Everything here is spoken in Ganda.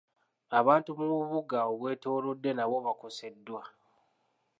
Abantu mu bubuga obutwetoolodde nabo bakoseddwa.